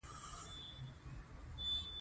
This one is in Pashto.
عطايي د پښتو ادب د ودې لپاره هڅي کړي دي.